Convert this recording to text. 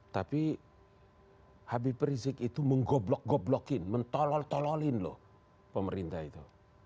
tapi habib rizik itu menggoblok goblokin mentolol tololin loh pemerintah itu